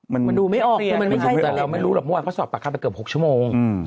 มันไม่ดูไม่ออกไม่ได้เลยแล้วมันเขาสอบต่างกันประกาศไปเกือบ๖ชั่วโมง